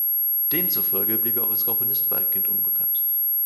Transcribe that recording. Demzufolge blieb er auch als Komponist weitgehend unbekannt.